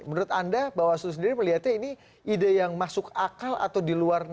menurut anda bawaslu sendiri melihatnya ini ide yang masuk akal atau diluar dari hal ini